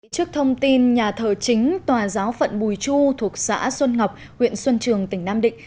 trước thông tin nhà thờ chính tòa giáo phận bùi chu thuộc xã xuân ngọc huyện xuân trường tỉnh nam định